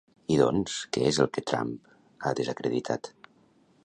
I doncs, què és el que Trump ha desacreditat?